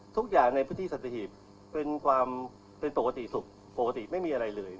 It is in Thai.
ทุกอย่างในพืชที่สัตวิทเป็นปกติสุดทุกอย่างไม่มีอะไร